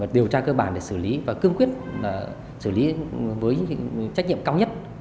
điều tra cơ bản để xử lý và cương quyết xử lý với trách nhiệm cao nhất